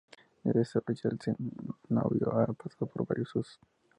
Desde esa fecha, el cenobio ha pasado por varios usos.